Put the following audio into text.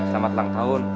selamat ulang tahun